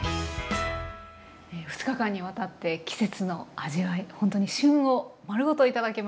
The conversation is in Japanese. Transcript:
２日間にわたって季節の味わいほんとに旬を丸ごと頂きました。